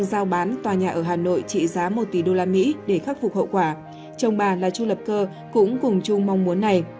đội trị giá một tỷ usd để khắc phục hậu quả chồng bà là chu lập cơ cũng cùng chung mong muốn này